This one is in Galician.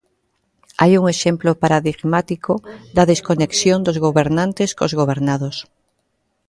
Hai un exemplo paradigmático da desconexión dos gobernantes cos gobernados.